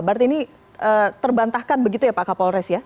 berarti ini terbantahkan begitu ya pak kapolres ya